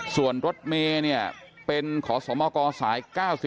ส่วนรถเมย์เนี่ยเป็นขอสมกสาย๙๔